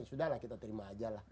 sudahlah kita terima aja lah